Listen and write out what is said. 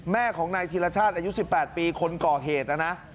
แม่ของนายธีรชาติอายุ๑๘ปีคนก่อเหตุนะนะ